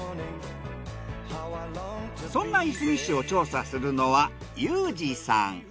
そんないすみ市を調査するのはユージさん。